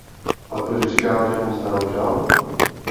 Ale proč říká, že poznám žal?